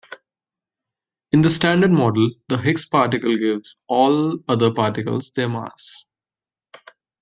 In the Standard Model, the Higgs particle gives all other particles their mass.